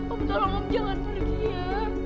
om tolong jangan pergi ya